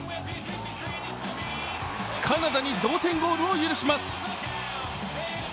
カナダに同点ゴールを許します。